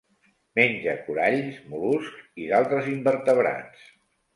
Menja coralls, mol·luscs i d'altres invertebrats.